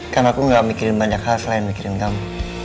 karena aku gak mikirin banyak hal selain mikirin kamu